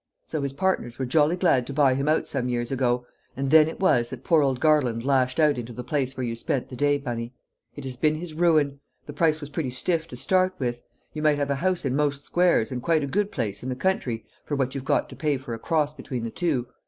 So his partners were jolly glad to buy him out some years ago; and then it was that poor old Garland lashed out into the place where you spent the day, Bunny. It has been his ruin. The price was pretty stiff to start with; you might have a house in most squares and quite a good place in the country for what you've got to pay for a cross between the two.